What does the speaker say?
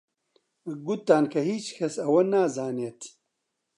گوتتان کە هیچ کەس ئەوە نازانێت